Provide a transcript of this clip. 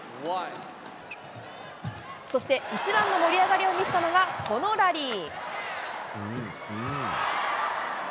そして一番の盛り上がりを見せたのがこのラリー。